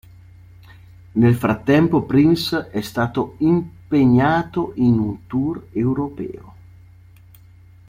Nel frattempo Prince è stato impegnato in un Tour Europeo.